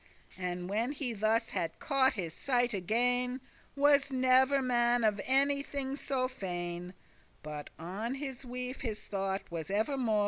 And when he thus had caught his sight again, Was never man of anything so fain: But on his wife his thought was evermo'.